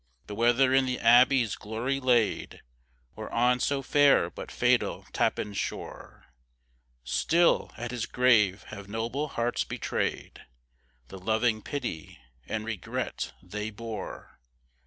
But whether in the Abbey's glory laid, Or on so fair but fatal Tappan's shore, Still at his grave have noble hearts betrayed The loving pity and regret they bore.